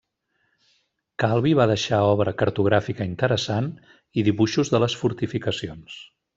Calvi va deixar obra cartogràfica interessant i dibuixos de les fortificacions.